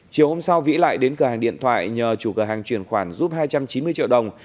chiều hôm sau vĩ lại đến cửa hàng điện thoại nhờ chủ cửa hàng chuyển khoản giúp hai trăm chín mươi triệu đồng